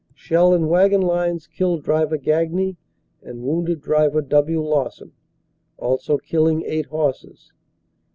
Shell in wagon lines killed Driver Gagne and wounded Dvr. W. Lawson, also killing eight horses.